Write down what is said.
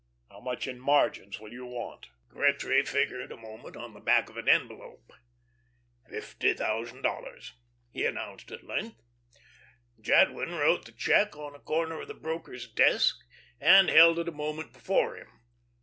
How much in margins will you want?" Gretry figured a moment on the back of an envelope. "Fifty thousand dollars," he announced at length. Jadwin wrote the check on a corner of the broker's desk, and held it a moment before him.